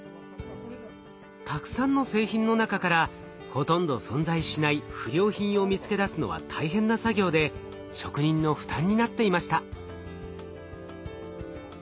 たくさんの製品の中からほとんど存在しない不良品を見つけ出すのは大変な作業で職人の負担になっていました。